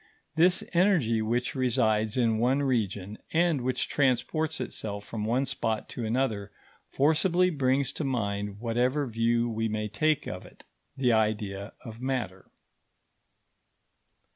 This energy, which resides in one region, and which transports itself from one spot to another, forcibly brings to mind, whatever view we may take of it, the idea of matter.